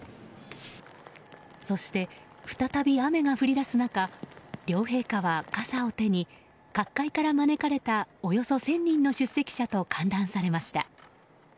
そして、再び雨が降り出す中両陛下は傘を手に各界から招かれたおよそ１０００人の出席者と歓談されました。